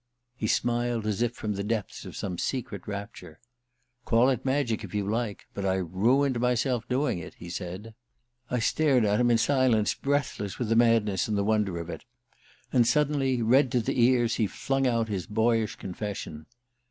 He smiled as if from the depths of some secret rapture. "Call it magic, if you like; but I ruined myself doing it," he said. I stared at him in silence, breathless with the madness and the wonder of it; and suddenly, red to the ears, he flung out his boyish confession.